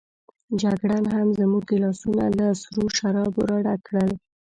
جګړن هم زموږ ګیلاسونه له سرو شرابو راډک کړل.